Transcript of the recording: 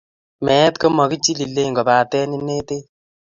Meet komakichilile kobate inetech.